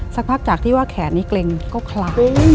สักพักจากที่ว่าแขนนี้เกร็งก็คละ